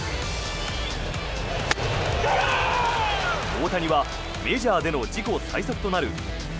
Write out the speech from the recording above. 大谷はメジャーでの自己最速となる１０１．４